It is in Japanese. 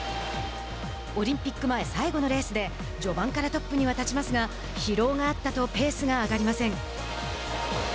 オリンピック前最後のレースで序盤からトップには立ちますが疲労があったとペースが上がりません。